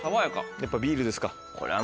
やっぱビールですか。